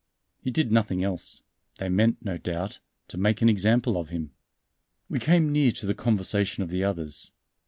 He did nothing else; they meant, no doubt, to make an example of him." We came near to the conversation of the others.